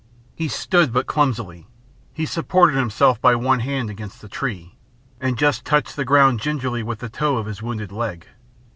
He stood but clumsily. He supported himself by one hand against the tree, and just touched the ground gingerly with the toe of his wounded leg.